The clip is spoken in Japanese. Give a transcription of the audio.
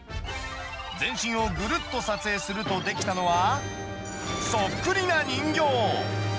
全身をぐるっと撮影するとできたのは、そっくりな人形。